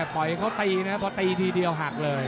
ปล่อยเค้าตีนะครับเพราะตีทีเดียวหักเลย